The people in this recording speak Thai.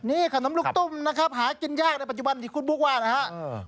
นี่ขนมลูกตุ้มนะครับหากินยากในปัจจุบันที่คุณบุ๊คว่านะครับ